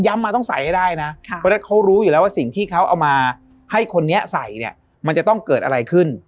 มาต้องใส่ให้ได้นะเพราะฉะนั้นเขารู้อยู่แล้วว่าสิ่งที่เขาเอามาให้คนนี้ใส่เนี่ยมันจะต้องเกิดอะไรขึ้น